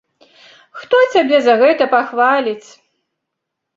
Хто цябе за гэта пахваліць?